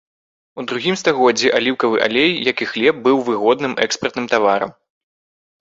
У другім стагоддзі аліўкавы алей, як і хлеб, быў выгодным экспартным таварам.